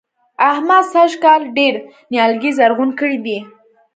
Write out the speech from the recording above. احمد سږ کال ډېر نيالګي زرغون کړي دي.